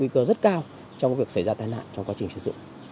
tại sao trong việc xảy ra tai nạn trong quá trình sử dụng